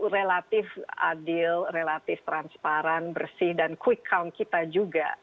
relatif adil relatif transparan bersih dan quick count kita juga